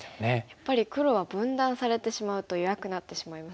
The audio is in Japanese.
やっぱり黒は分断されてしまうと弱くなってしまいますよね。